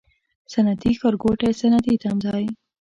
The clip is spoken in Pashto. صنعتي ښارګوټی، صنعتي تمځای